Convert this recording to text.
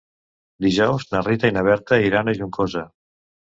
Dijous na Rita i na Berta iran a Juncosa.